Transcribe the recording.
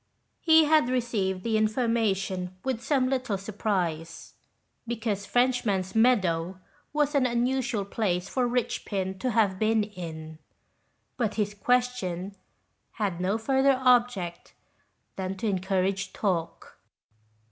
He had received the information with some little surprise, because Frenchnaan's Meadow was an unusual place for Richpin to have been in, but his question had no further object than to encourage talk.